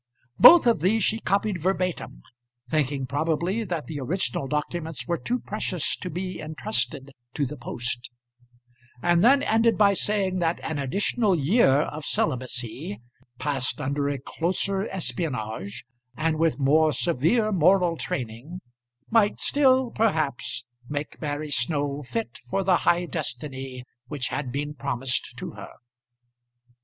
Both of these she copied verbatim, thinking probably that the original documents were too precious to be intrusted to the post; and then ended by saying that an additional year of celibacy, passed under a closer espionage, and with more severe moral training, might still perhaps make Mary Snow fit for the high destiny which had been promised to her.